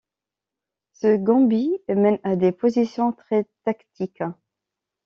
Ce gambit mène à des positions très tactiques.